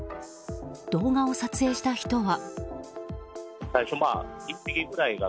動画を撮影した人は。